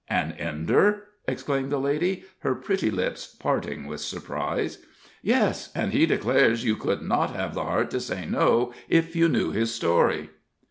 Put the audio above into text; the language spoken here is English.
"An Ender?" exclaimed the lady, her pretty lips parting with surprise. "Yes, and he declares you could not have the heart to say no, if you knew his story."